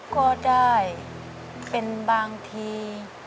ก็ได้เป็นบางที